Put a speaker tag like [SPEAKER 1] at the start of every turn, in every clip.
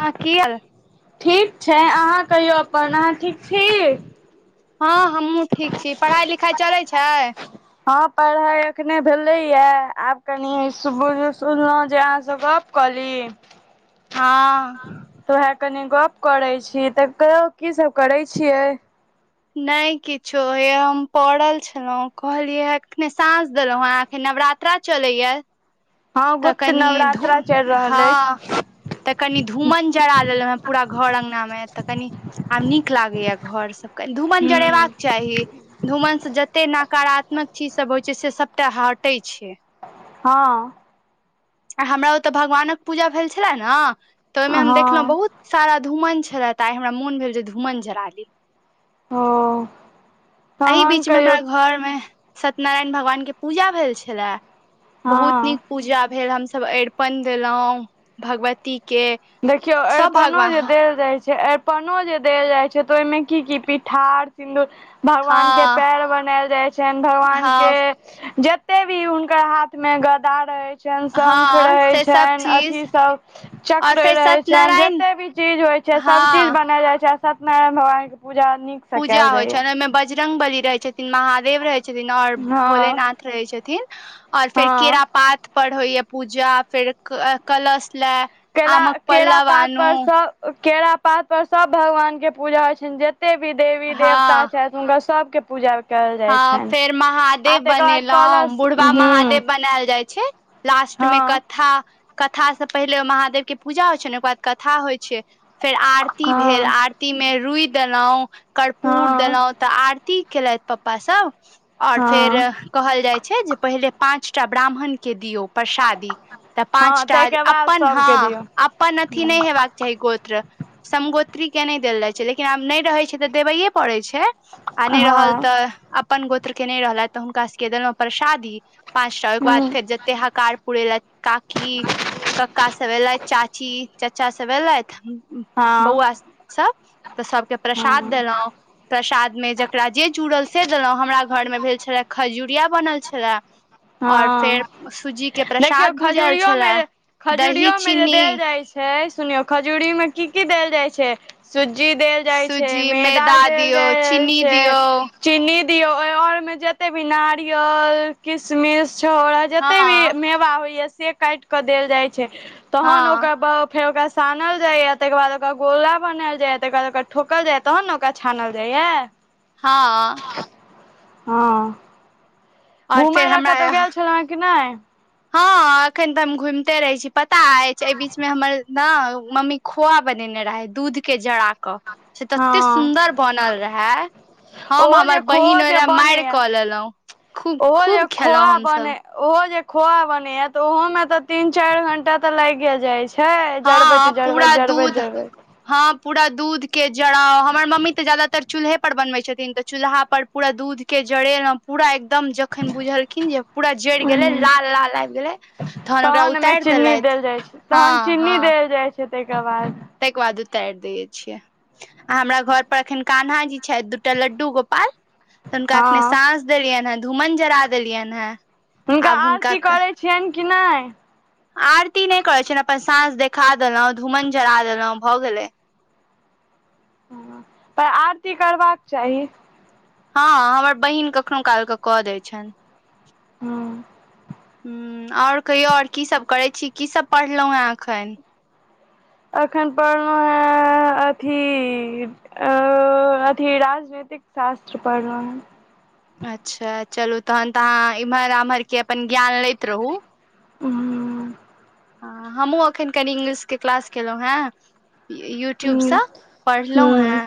[SPEAKER 1] हँ कि भेले?
[SPEAKER 2] ठीक छै। अहाँ कहियौ अपन अहाँ ठीक छी?
[SPEAKER 1] हँ हमहुँ ठीक छी। पढ़ाइ लिखाइ चलैत छै?
[SPEAKER 2] हँ पढ़ाइ एखने भेलैए आब कनि सुनलहुँ सुनलहुँ जे अहाँसभ गप कली।
[SPEAKER 1] हँ
[SPEAKER 2] तऽ उएह कनि गप करैत छी तऽ कह की सभ करै छियै।
[SPEAKER 1] नहि किछो हे हम पड़ल छलहुँ कहलियै ह एखने साँस देलहुँ एखन नवरात्र। तऽ चलैय
[SPEAKER 2] हँ
[SPEAKER 1] तऽ
[SPEAKER 2] गुप्त
[SPEAKER 1] कनि धू
[SPEAKER 2] नवरात्रा चलि रहल
[SPEAKER 1] हँ।
[SPEAKER 2] अछि
[SPEAKER 1] तऽ कनि धूमन जरा देलहुँ हेँ पूरा घर अङंगगना मे तऽ कनि आब नीक लागैया घर सबके धूमन
[SPEAKER 2] हूँ
[SPEAKER 1] जरेबाक चाही। धूमन से जते नकारात्मक चीज सब होइ छै से सबटा हटे छै।
[SPEAKER 2] हँ
[SPEAKER 1] आ हमरा ओतऽ भगवानक पूजा भेल छले ने तऽ ओहिमे हम देखलहुॅं
[SPEAKER 2] हँ
[SPEAKER 1] बहुत सारा धूमन छलत आइ हमरा मोन भेल जे धूमन जरा ली।
[SPEAKER 2] ओह
[SPEAKER 1] एहि बीच में हमरा घर मे सत्यनारायण भगवान के पूजा भेल छले। बहुत
[SPEAKER 2] हँ
[SPEAKER 1] नीक पूजा भेल हमसभ अरिपन देलहुं भगवती के।
[SPEAKER 2] देखियो
[SPEAKER 1] सब
[SPEAKER 2] अरिपनो
[SPEAKER 1] भगवान
[SPEAKER 2] जे देल जाय छै अरि अरपनो जे देल जाइ छै तऽ ओहिमे की क पिठार सिन्दूर भगवान के
[SPEAKER 1] हँ
[SPEAKER 2] पैर बनायल जाय छनि भगवान के
[SPEAKER 1] हँ
[SPEAKER 2] जते भी हुनकर हाथ मे गदा रहय छनि शंख
[SPEAKER 1] हँ
[SPEAKER 2] रहै
[SPEAKER 1] से सब
[SPEAKER 2] छनि अथी
[SPEAKER 1] चीज
[SPEAKER 2] सभ चक-
[SPEAKER 1] और
[SPEAKER 2] क्र
[SPEAKER 1] फेर
[SPEAKER 2] रहै छनि
[SPEAKER 1] सत्यनारायण
[SPEAKER 2] जतेक भी चीज होइ छै सभचीज
[SPEAKER 1] हँ
[SPEAKER 2] बनायल जाइ छै सत्यनारायण भगवानके पूजा नीक सँ
[SPEAKER 1] पूजा
[SPEAKER 2] कयल
[SPEAKER 1] होइ
[SPEAKER 2] जाइया
[SPEAKER 1] छनि ओहिमे बजरंग बली रहै छथिन महादेव रहै छथिन आओर
[SPEAKER 2] हँ
[SPEAKER 1] भोलेनाथ रहै छथिन आओर फेर
[SPEAKER 2] हँ
[SPEAKER 1] केरा पात पर होइए पूजा फेर कलश लए
[SPEAKER 2] केला
[SPEAKER 1] आमक
[SPEAKER 2] केरा
[SPEAKER 1] पल्लव आनू
[SPEAKER 2] पातपर सँ केरा पात पर सब भगवान के पूजा होय छनि जते भी देवी
[SPEAKER 1] हँ
[SPEAKER 2] देवता छथि हुनका सबके पूजा कयल जाइ
[SPEAKER 1] हँ
[SPEAKER 2] छनि
[SPEAKER 1] फेर
[SPEAKER 2] आ
[SPEAKER 1] महादेव
[SPEAKER 2] तकर बाद
[SPEAKER 1] बनेलहुँ
[SPEAKER 2] कलश हूँ
[SPEAKER 1] बुढ़वा महादेव बनायल जाइ छै लास्ट मे
[SPEAKER 2] हँ
[SPEAKER 1] कथा कथा से पहिले महादेव के पूजा होइ छनि ओकर बाद कथा होय छै फेर आरती भेल
[SPEAKER 2] हँ
[SPEAKER 1] आरती ती मे रुइ देलो कर्पूर
[SPEAKER 2] हँ
[SPEAKER 1] देलो तऽ आरती केलथि पप्पा सब और फेर
[SPEAKER 2] हँ
[SPEAKER 1] कहल जाइ छै जे पहिले पांचटा ब्राह्मण के दियौ प्रसादी तऽ
[SPEAKER 2] हँ
[SPEAKER 1] पाँचटा
[SPEAKER 2] ताहिके बाद
[SPEAKER 1] अपन
[SPEAKER 2] सबके
[SPEAKER 1] हँ
[SPEAKER 2] दियौ
[SPEAKER 1] अपन अथि
[SPEAKER 2] हँ
[SPEAKER 1] नै हेबाक चाही गोत्र समगोत्री के नहि देल जाइ छै लेकिन आब नहि रहै छै तऽ देबैेये पड़ै छै आ नहि रहल
[SPEAKER 2] हँ
[SPEAKER 1] तऽ अपन गोत्र के नहि रहलथि तऽ हुनका सबके देलौं परसादी पाँच टा ओहिके बाद फेर जतै हकार पुरै लए काकी कक्का सब एलथि चाची चाचा सब एलथि
[SPEAKER 2] हँ
[SPEAKER 1] बौआ सब तऽ सबके प्रसाद
[SPEAKER 2] हँ
[SPEAKER 1] देलो प्रसाद मे जेकरा जे चूड़ल से देलौं हमरा घर मे भेल छलै खजुरिया बनल छलए और
[SPEAKER 2] हँ
[SPEAKER 1] फेर सूजी के
[SPEAKER 2] देखियौ
[SPEAKER 1] प्रसाद भुजल छलै
[SPEAKER 2] खजूरियोमे
[SPEAKER 1] दही चीनी
[SPEAKER 2] हे यै सुनियौ खजूरी मे की की देल जाइ छै सुज्जी देल जाइ छै
[SPEAKER 1] सूजी
[SPEAKER 2] मैदा देल
[SPEAKER 1] दियौ
[SPEAKER 2] जाइ
[SPEAKER 1] चीनी
[SPEAKER 2] छै
[SPEAKER 1] दियौ
[SPEAKER 2] चीनी दियौ और ओय मे जते भी नारियल किशमिश छहोरा जते भी
[SPEAKER 1] हँ
[SPEAKER 2] मेवा होइया से काटिकऽ देल जाइ छै तहन
[SPEAKER 1] हँ
[SPEAKER 2] ओकर ब फेर ओकरा सानल जायए तकर बाद ओकरा गोला बनायल जायए तकर बाद ओकरा ठोकल जायए तहन ने ओकरा छानल जाइये
[SPEAKER 1] हँ
[SPEAKER 2] हँ
[SPEAKER 1] और
[SPEAKER 2] घुमय
[SPEAKER 1] फेर
[SPEAKER 2] लए कतौ
[SPEAKER 1] हमरा
[SPEAKER 2] गेल छलहुंए कि नै
[SPEAKER 1] हँ एखन तऽ हम घुमिते रहै छी पता अछि एहि बीच मे हमर ने मम्मी खोआ बनेने रहै दूध के जरा कऽ से तते
[SPEAKER 2] हँ
[SPEAKER 1] सुन्दर बनल रहै हम
[SPEAKER 2] ओहो
[SPEAKER 1] हमर
[SPEAKER 2] जे खोओ
[SPEAKER 1] बहिन ओहि
[SPEAKER 2] जे
[SPEAKER 1] लए मारि
[SPEAKER 2] बनैया
[SPEAKER 1] कऽ लेलहुं खूब
[SPEAKER 2] ओहो जे
[SPEAKER 1] खूब खेलहुॅं
[SPEAKER 2] खोआ बने
[SPEAKER 1] हमसभ
[SPEAKER 2] ओहो जे खोआ बनैये तऽ ओहो मे तऽ तीन चार घंटा तऽ लागिये जाय छै छै जरबैत
[SPEAKER 1] हँ पूरा
[SPEAKER 2] जरबैत जरबैत
[SPEAKER 1] दूध
[SPEAKER 2] जरबैत
[SPEAKER 1] हँ पूरा दूध के जराउ हमर मम्मी तऽ ज्यादातर चूल्हे पर बनबैत छथिन तऽ चूल्हा पर पूरा दूध के जरेलौं पूरा एकदम जखन बुझलखिन जे पूरा जरि गेलै
[SPEAKER 2] हूँ
[SPEAKER 1] लाल लाल आबि गेलै तहन ओकरा
[SPEAKER 2] ओहिमे
[SPEAKER 1] उतार
[SPEAKER 2] चीनी
[SPEAKER 1] देलथि हँ हँ
[SPEAKER 2] फेर तैके बाद
[SPEAKER 1] तैके बाद उतार दै छियै आ हमरा घर पर एखन कान्हा जी छथि दूटा लड्डू गोपाल तऽ हुनका अखने
[SPEAKER 2] हँ
[SPEAKER 1] साँझ देलियन है धूमन जरा देलियन है
[SPEAKER 2] हुनका आरती करै छियैनि कि नै?
[SPEAKER 1] आरती नै करै छीयैनि अपन साँझ देखा देलौं धूमन जरा देलौं भऽ गेलै।
[SPEAKER 2] हॅं पर आरती करबाक चाही।
[SPEAKER 1] हँ हमर बहिन कखनो काल क कऽ दै छैन।
[SPEAKER 2] हॅं
[SPEAKER 1] हूं और कहियौ और की सब करै छी की सब पढ़लौं हैं अखनि?
[SPEAKER 2] अखन पढ़लौं हैं अथी अ अथी राजनैतिक शास्त्र पढ़लौं हैं।
[SPEAKER 1] अच्छा चलू तहन तऽ अहाँ इम्हर आम्हर के अपन ज्ञान लैत रहू
[SPEAKER 2] उहूं
[SPEAKER 1] अं हमहूँ अखनि कनी इंग्लिश के क्लास केलौं हैं। यू यूट्यूब स
[SPEAKER 2] हूँ
[SPEAKER 1] पढ़लौं
[SPEAKER 2] हूँ
[SPEAKER 1] हैं
[SPEAKER 2] हूँ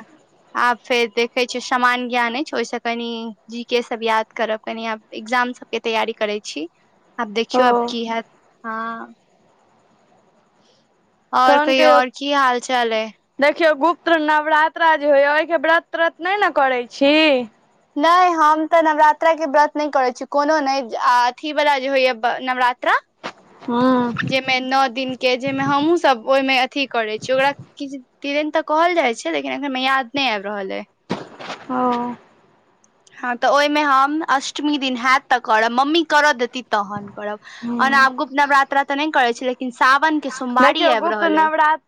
[SPEAKER 1] आब फेर देखै छी शमान ज्ञान अछि ओइस कनि जी के सब याद करब कनी आब एग्जाम सब के तैयारी करै छी आब देखियौ आब
[SPEAKER 2] ओ
[SPEAKER 1] की हैत, हां और
[SPEAKER 2] तहन
[SPEAKER 1] कहयो
[SPEAKER 2] कहियौ
[SPEAKER 1] और की हाल चाल अइ?
[SPEAKER 2] देखियौ गुप्त्र नवरात्रा जे होइया ओइके व्रत त्रत नै ने करै छी।
[SPEAKER 1] नै हम तऽ नवरात्राके व्रत नै करै छी कोनो नै ज आ अथी बला जे होइया ब नवरात्रा
[SPEAKER 2] हूं
[SPEAKER 1] मे नौ दिन के जइमे हमुं सब ओइमे अथी करै छियै ओकरा किछ किदनि तऽ कहल जाय छै लेकिन एखन हमरा याद नहि आबि रहल अइ।
[SPEAKER 2] हॅं
[SPEAKER 1] हँ तऽ ओइमे हम अष्टमी दिन हैत तऽ करब मम्मी करऽ देती तहन करब
[SPEAKER 2] हँ
[SPEAKER 1] ओना आब गुप्त नवरात्रा तऽ नै करै छी लेकिन सावन के सोमवारी
[SPEAKER 2] देखियौ
[SPEAKER 1] आबि
[SPEAKER 2] गुप्त
[SPEAKER 1] रहल अइ
[SPEAKER 2] नवरात्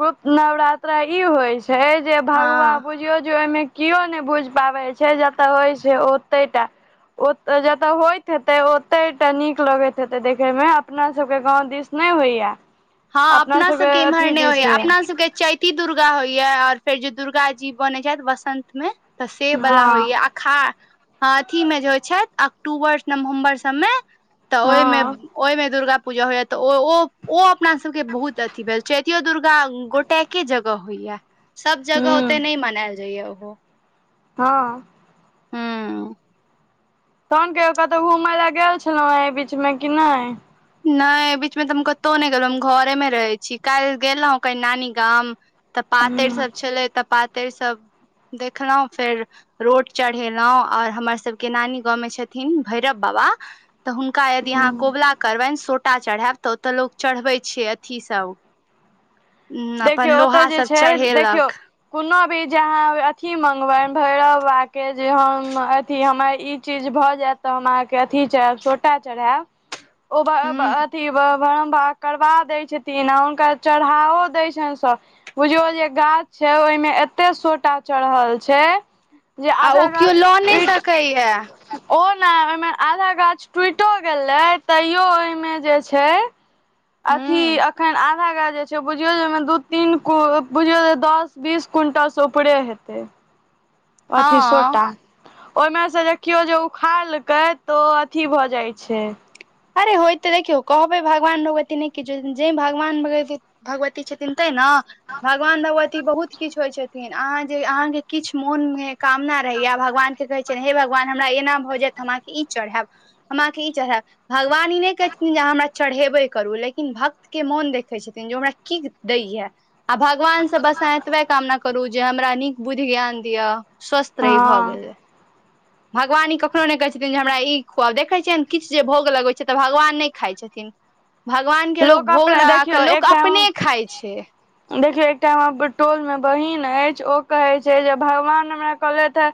[SPEAKER 2] गुप्त नवरात्रा ई होइ छै जे भगवान
[SPEAKER 1] हँ
[SPEAKER 2] बुइझ बुझियौ जे ओइमे किओ नै बुझि पाबै छै जतऽ होइ छै ओतै टा ओत जतऽ होइत हेतै ओतय टा नीक लगैत हेतै देखै मे अपना सब के गांव दिस नै होइयै।
[SPEAKER 1] हँ अपना सबके इम्हर नै़ होइया अपना सबके चैती दुर्गा होइयै और फेर जे दुर्गा जी बनै छथि वसन्त मे तऽ से वाला होइयै
[SPEAKER 2] हँ
[SPEAKER 1] आ खा हं अथी मे जे होइ छथि अक्टूबर नवम्बर सभमे तऽ ओइमे
[SPEAKER 2] हँ
[SPEAKER 1] ओइमे दुर्गा पूजा होइयै तऽ ओ ओ ओ अप अपना सबके बहुत अथी भेल चैतियो दुर्गा गोटैके जगह होइयै। सब जगह
[SPEAKER 2] हूँ
[SPEAKER 1] ओते नै मनायल जाइयै ओहो
[SPEAKER 2] हँ
[SPEAKER 1] हूंऽ
[SPEAKER 2] तहन कहियौ कतौ घूमय लए गेल छलहुँ हैं एहि बीच मे कि नहि।
[SPEAKER 1] नै अइ बीच मे तऽ हम कतहु नै गेलहुं हम घरे मे रहै छी काइल गेलौं कनि नानी गाम तऽ पातरि
[SPEAKER 2] ह
[SPEAKER 1] सब छलै तऽ पातरि सब देखलौं फेर रोट चढ़ेलौं और हमर सबके नानी गाँवमे छथिन भैरव बाबा तऽ हुनका यदि अहाँ कोबुला करबनि सोटा चढ़ैब तऽ ओतय लोक चढ़बै छै अथी सब ह्म अपन
[SPEAKER 2] देखियौ ओतय
[SPEAKER 1] लोहा
[SPEAKER 2] जे
[SPEAKER 1] सब
[SPEAKER 2] छै देखियौ
[SPEAKER 1] चढ़ेलक
[SPEAKER 2] कोनो भी जे अहाँ अथी मंगबनि भैरव बाबा के जे हम अथी हमर ई चीज भऽ जायत तऽ हम अहाँके अथी चढ़ैब सोटा चढ़ैब। ओ ब-ब
[SPEAKER 1] हूं
[SPEAKER 2] अथि ब ब्रह्म बाबा करबा दै छथिन आ हुनकर चढ़ाओ दै छैन स बुझियौ ओ जे गाछ छै ओय मे एतय सोटा चढ़ल छै। जे
[SPEAKER 1] आ
[SPEAKER 2] आधा
[SPEAKER 1] ओ केओ
[SPEAKER 2] गाछ
[SPEAKER 1] लऽ नहि
[SPEAKER 2] टुईट
[SPEAKER 1] सकैया
[SPEAKER 2] ओ नै ओय मे आधा गाछ टूईटो गेलय तईयो ओय मे जे छै अथी
[SPEAKER 1] हूं
[SPEAKER 2] अखन आ धा गाछ जे छै बुझियौ जे ओय मे दूई तीन कु बुझियौ जे दस बीस क्विंटल से ऊपरे हेतय। अथी
[SPEAKER 1] हँ
[SPEAKER 2] सोटा। ओय मे से देखियो जे उखाड़ लकै तऽ ओ अथी भऽ जाए छै।
[SPEAKER 1] अरे होय तै देखियौ कहबै भगवान भगवती नै किछो जै भगवान-भगवती भगवती छथिन तै नै भगवान-भगवती बहुत किछ होय छथिन अहां जे अहांके किछ मोन में कामना रहय यै भगवान के कहय छियैन हे भगवान हम हमरा एना भ जाए त हम अहां के ई चढ़ैब, हम अहां के ई चढ़ैब भगवान ई नै कहय छथिन जे अहां हमरा चढ़ैबे करू लेकिन भक्त के मोन देखय छथिन जे ओ हमरा की दै यै। आ भगवान से बस अहां एतबे कामना करू जे हमरा नीक बुईद्ध ज्ञान दिया स्वस्थ
[SPEAKER 2] हँ
[SPEAKER 1] रही भऽ गेलय। भगवान ई कखनो नै कहय छथिन जे हमरा ई खुआव देखय छियैन किछ जे भोग लगबय छै तऽ भगवान नै खाए छै। छथीन भगवान के लोक भोग
[SPEAKER 2] अपने
[SPEAKER 1] लगा
[SPEAKER 2] देखियौ
[SPEAKER 1] कऽ
[SPEAKER 2] एक
[SPEAKER 1] लोक
[SPEAKER 2] टाइम
[SPEAKER 1] अपने खाय छै।
[SPEAKER 2] देखियौ एकटा हमरा टोल मे बहीन ऐछ ओ कहय छै जे भगवान हमरा कहलैथ हें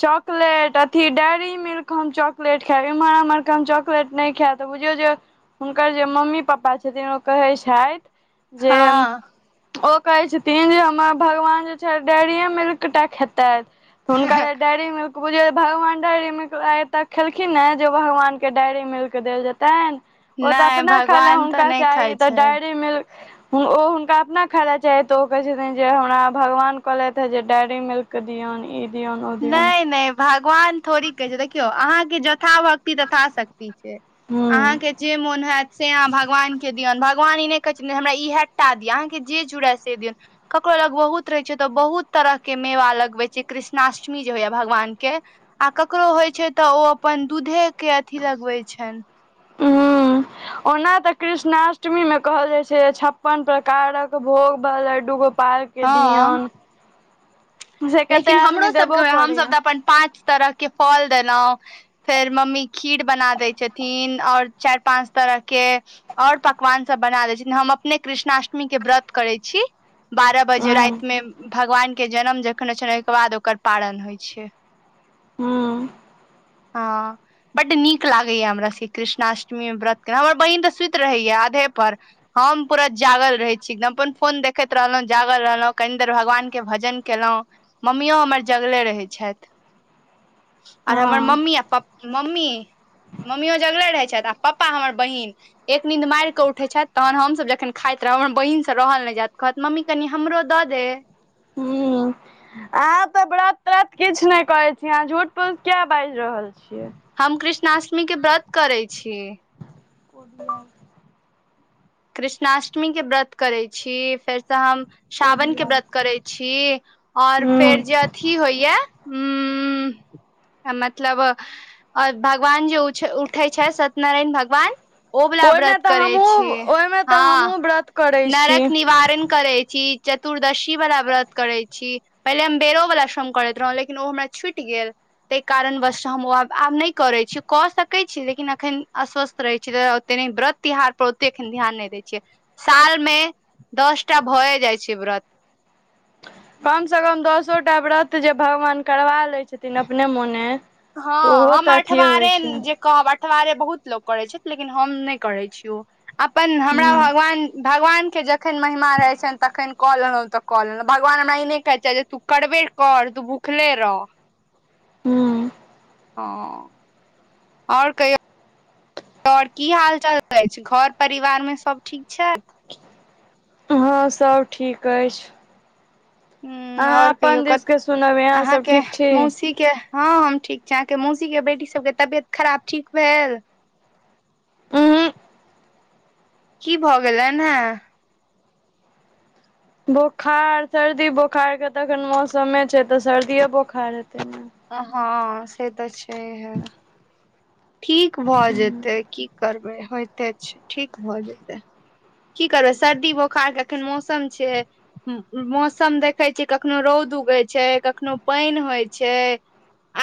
[SPEAKER 2] चॉकलेट अथी डेयरी मिल्क हम चॉकलेट खैब, इम्हर-आम्हर के हम चॉकलेट नै खैब। तऽ बुझियौ जे हुनकर जे मम्मी पप्पा छथीन ओ कहय छैथ जे
[SPEAKER 1] हँ
[SPEAKER 2] ओ कहय छथिन जे हमर भगवान जे छै डेरिए मिल्क टा खेतैथ। हुनका लै डायरी मिल्क बुझियौ भगवान डायरी मिल्क आय तक खेलखिन्ह ऐ जे भगवान के डायरी मिल्क देल जेतैन। ओ
[SPEAKER 1] नै
[SPEAKER 2] तऽ अपना
[SPEAKER 1] भग
[SPEAKER 2] खाय लै हुनका चाही तऽ डायरी मिल् ओ हुनका अपना खाय लै चाही तऽ ओ कहय छथिन जे हमरा भगवान कहलैथ हे जे डेयरी मिल्क क दियौन ई दियौन ओ दियौन
[SPEAKER 1] नै-नै भगवान थोड़ी कहय छै देखियौ अहाँके ज था भक्ति तथा शक्ति छै,
[SPEAKER 2] हूं
[SPEAKER 1] अहाँके जे मोन हैत से अहाँ भगवान के दियौन भगवान ई नै कहय छै जे हमरा इहेटा दिया अहाँ के जे जुड़य से दियोन। ककरो लग बहुत रहय छै तऽ बहुत तरह के मेवा लगबे छै, कृष् णाष्टमी जे होय यै भगवान के आ ककरो होय छै तऽ ओ अपन दूधे के अथी लगवे छैन।
[SPEAKER 2] हूं। ओना तै कृष्णाष्टमी में कहल जाए छै जे छप्पन प्रकारक भोग ब लड्डू गोपाल के के
[SPEAKER 1] हँ
[SPEAKER 2] दियौन से कते
[SPEAKER 1] लेकिन
[SPEAKER 2] आदमी
[SPEAKER 1] हमरो
[SPEAKER 2] देबो
[SPEAKER 1] सबके हम सब
[SPEAKER 2] करैया
[SPEAKER 1] तै अपन पाँच तरह के फल देलौ फेर मम्मी खीर बना दै छथिन और चाएर पाँच तरह के और पकवान सब बना दै छै, हम अपने कृष्णाष्टमी के व्रत करय छी। बारा बजे
[SPEAKER 2] हूँ
[SPEAKER 1] राएत मे भगवान के जन्म जखन होय छै नै ओय के बाद ओकर पारण होय छै।
[SPEAKER 2] हूँ।
[SPEAKER 1] हां। बड्ड नीक लागय यै हमरा सके कृष्णाष्टमी मे व्रत केलो हमर बहिन तऽ सुईत रहय यै आधे पर। हम पूरा जागल रहै छी एकदम अपन फोन देखैत रहलौ जागल रहलौ कनि देर भगवान के भजन केलौ मम्मियो हमर जगले रहै छैथ आर हमर
[SPEAKER 2] हँ
[SPEAKER 1] मम्मी आ प मम्मी मम्मीयो जगले रहै छैथ आ पप्पा हमर बहिन एक नीद मारि कऽ उठै छैथ तहन हमसब जखन खाइत रहब हमर बहिनसँ रहल नहि जेत कहत मम्मी कनि हमरो दऽ दे
[SPEAKER 2] हू अहाँ तऽ व्रत त्रत किछ नहि करै छी अहाँ झूठ फूस किये बाजि रहल छियै
[SPEAKER 1] हम कृष्णाष्टमी के व्रत करै छी
[SPEAKER 2] कोढिया
[SPEAKER 1] कृष्णाष्टमी के व्रत करै छी फेरसँ हम सावन के
[SPEAKER 2] ओडियाइ
[SPEAKER 1] व्रत करै छी और
[SPEAKER 2] हूँ
[SPEAKER 1] फेर जे थी होइया हू मतलब ओर भगवान जे उछे उठे छैय। सत्यनारायण भगवान ओ बला
[SPEAKER 2] ओहिमे
[SPEAKER 1] व्रत
[SPEAKER 2] तऽ
[SPEAKER 1] करै छी
[SPEAKER 2] हमहूँ ओहिमे तऽ
[SPEAKER 1] हँ
[SPEAKER 2] हमहूँ व्रत करै छी
[SPEAKER 1] नरक नि निवारण करै छी चतुर्दशी बला व्रत करै छी पहिले हम बेरो बला शोम करैत रहौ लेकिन ओ हमरा छुटि गेल तैय कारण वश हम ओ आब आब नहि करै छी कऽ सकैए छी लेकिन अखन अस्वस्थ रहै छी तैय ओते नहि व्रत तिहार पर ओते एखन ध्यान नहि दै छियै साल मे दस टा भए जाए छै। व्रत
[SPEAKER 2] कम सँ कम दसो टा व्रत जे भगवान करबा लैए छथिन अपने मोने तऽ
[SPEAKER 1] हँ
[SPEAKER 2] ओहो
[SPEAKER 1] हम
[SPEAKER 2] तऽ अथिये होइ
[SPEAKER 1] अठवारे
[SPEAKER 2] छै
[SPEAKER 1] जे कहब अठवारे बहुत लोक करै छथि लेकिन हम नहि करै छी ओ अपन हमरा
[SPEAKER 2] हूँ
[SPEAKER 1] भगवान भगवानके जखन महिमा रहै छनि तखन कऽ लेलौ तऽ कऽ लेलौ भगवान हमरा ई नहि कहै छैथ जे तू करबे कर तू भूखले रह
[SPEAKER 2] हूँ
[SPEAKER 1] हँ ओर कहियो और की हाल चाल अइछ घर परिवार मे सब ठीक छै
[SPEAKER 2] हँ सब ठीक अएछ
[SPEAKER 1] ह्म ओर कहियो
[SPEAKER 2] दिस
[SPEAKER 1] कत
[SPEAKER 2] के सुनब अहाँ सब
[SPEAKER 1] अहाँके
[SPEAKER 2] ठीक छी
[SPEAKER 1] मौसी के हँ हम ठीक छी अहाँके मौसी के बेटी सबके तबियत खराब ठीक भेल
[SPEAKER 2] उहूँ
[SPEAKER 1] की भऽ गेलनि है
[SPEAKER 2] बोखार सर्दी बोखार के तऽ एखन मौसमे छै तऽ सर्दिय बोखार हेतै ने
[SPEAKER 1] अ हँ से तऽ छै हे
[SPEAKER 2] [unintelligible]
[SPEAKER 1] ठीक भऽ जेतै की करबै होयते छै ठीक भऽ जेतै की करबै सर्दी बोखार के अखन मौसम छै मौसम देखै छियै कखनो रौद उगै छै कखनो पइन होए छै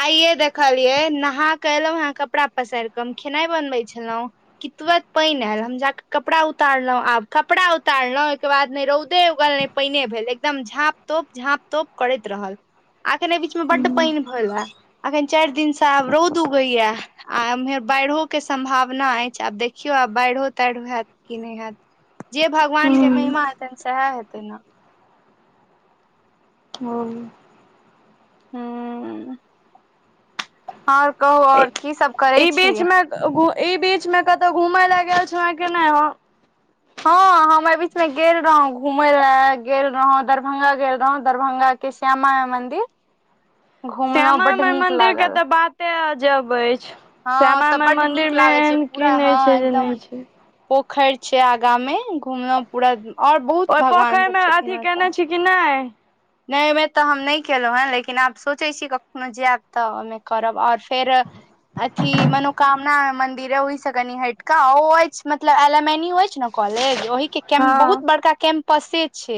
[SPEAKER 1] आइये देखलिये नहा क एलौ हें कपड़ा पसारि कऽ हम खेनाई बनबै छलौ कि तुरत पइन ऐल हम जाक कपड़ा उतारलौ आब कपड़ा उतारलौ ओहिके बाद ने रौदे उगल ने पइने भेल एकदम झाँप तोप झाँप तोप करैत रहल अखने बीच में बड्ड पइन भेलै अखन चारि दिन से आब रौद उगैया आ एम्हर बाइढ़ो के सम्भावना अएछ आब देखियौ आब बाढ़ियो ताढ़ि हेत कि नहि हेत जे भगवान के महिमा
[SPEAKER 2] ह
[SPEAKER 1] हेतनि सेहे हेते न
[SPEAKER 2] हूँ
[SPEAKER 1] हूँ आओर कहू आओर की सब करै
[SPEAKER 2] इ
[SPEAKER 1] छी
[SPEAKER 2] बीच में इ बीच मे कतौ घूमय लए गेल छलहुं की नहि हँ
[SPEAKER 1] हँ हम एहि बीच मे गेल रहौं घूमय लय गेल रहौं दरभंगा गेल रहहुं दरभंगा के श्यामा माई मन्दिर
[SPEAKER 2] श्यामा माई मन्दिर के
[SPEAKER 1] लागल
[SPEAKER 2] तऽ बाते अजब अछि
[SPEAKER 1] हँ
[SPEAKER 2] श्यामा
[SPEAKER 1] ओतऽ
[SPEAKER 2] माई
[SPEAKER 1] बड
[SPEAKER 2] मन्दिर
[SPEAKER 1] नीक
[SPEAKER 2] मे
[SPEAKER 1] लागे छै
[SPEAKER 2] एहन की
[SPEAKER 1] पूरा हँ
[SPEAKER 2] नहि छै जे
[SPEAKER 1] एकदम
[SPEAKER 2] नहि छै
[SPEAKER 1] पोखरि छै आगा मे घुमलहु पूरा आओर बहुत भगवान सब छथिन एतऽ
[SPEAKER 2] की नहि
[SPEAKER 1] नहि ओहिमे तऽ हम नहि केलहुँ हेँ लेकिन आब सोचय छी कखनो जायब तऽ ओहिमे करब आओर फेर अथी मनोकामना मंदिर अय ओहि से कनि हट कऽ ओ अछि मतलब एल एम एन यु अछि ने कॉलेज ओहि के कैम बहुत
[SPEAKER 2] हँ
[SPEAKER 1] बड़का कैम्पसे छै